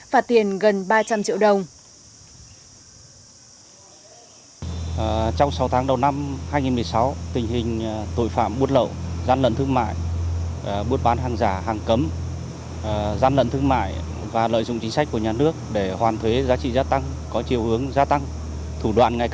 phạt tiền gần ba trăm linh triệu đồng